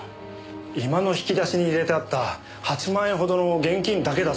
居間の引き出しに入れてあった８万円ほどの現金だけだそうです。